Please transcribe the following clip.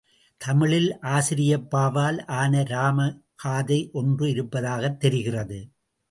தமிழில் ஆசிரியப்பாவால் ஆன இராம காதை ஒன்று இருப்பதாகத் தெரிகிறது.